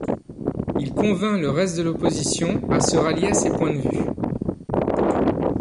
Il convainc le reste de l'opposition à se rallier à ses points de vue.